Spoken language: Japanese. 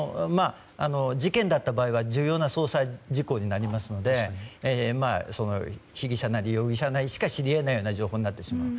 事件だった場合は重要な捜査事項になりますので被疑者なり容疑者なりしか知り得ない情報になってしまう。